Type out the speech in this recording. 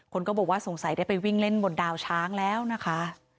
คนก็บอกว่าสงสัยได้ไปวิ่งเล่นบนดาวช้างแล้วนะคะ